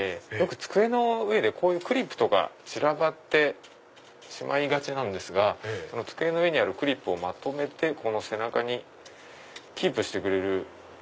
机の上でこういうクリップとか散らばってしまいがちですが机の上にあるクリップをまとめて背中にキープしてくれる。